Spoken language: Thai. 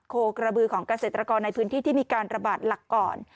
โคกระบือของเกษตรกรในพื้นที่ที่มีการระบาดหลักก่อน